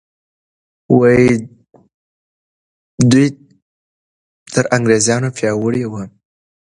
دوی تر انګریزانو پیاوړي وو.